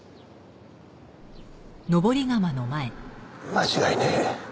間違いねえ。